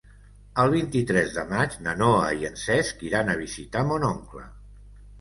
El vint-i-tres de maig na Noa i en Cesc iran a visitar mon oncle.